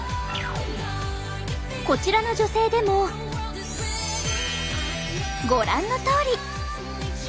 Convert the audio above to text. こちらの女性でもご覧のとおり。